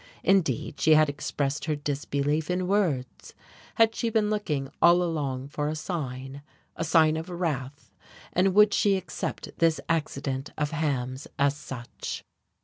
Indeed, she had expressed her disbelief in words. Had she been looking all along for a sign a sign of wrath? And would she accept this accident of Ham's as such?